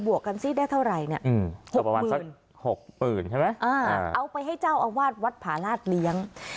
บวกกันซิได้เท่าไรเนี่ย๖ปืนใช่ไหมเอาไปให้เจ้าอาวาสวัดผาลาศเลี้ยง